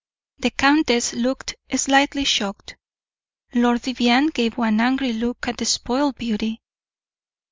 The countess looked slightly shocked. Lord Vivianne gave one angry look at the spoiled beauty.